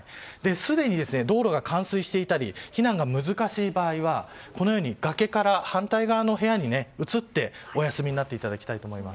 すでに、道路が冠水していたり避難が難しい場合は崖から反対側の部屋に移ってお休みになっていただきたいと思います。